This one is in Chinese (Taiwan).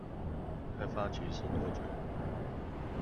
開發期是多久？